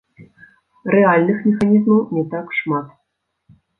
Рэальных механізмаў не так шмат.